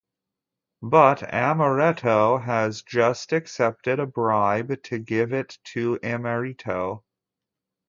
But Amoretto has just accepted a bribe to give it to Immerito.